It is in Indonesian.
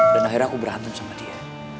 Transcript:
dan akhirnya aku berantem sama dia